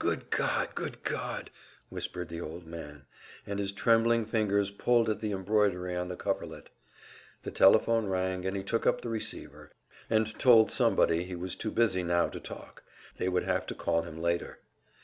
"Good God! Good God!" whispered the old man; and his trembling fingers pulled at the embroidery on the coverlet. The telephone rang, and he took up the receiver, and told somebody he was too busy now to talk; they would have to call him later.